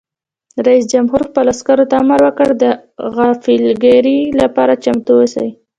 رئیس جمهور خپلو عسکرو ته امر وکړ؛ د غافلګیرۍ لپاره چمتو اوسئ!